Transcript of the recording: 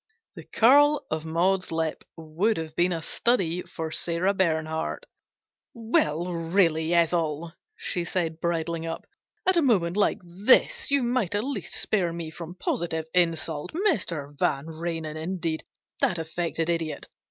The curl of Maud's lip would have been a study for Sarah Bernhardt. " Well, really, Ethel," she said, bridling up, " at a moment like this you might at least spare me from posi tive insult ! Mr. Vanrenen, indeed ! That affected idiot